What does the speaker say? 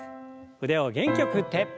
腕を元気よく振って。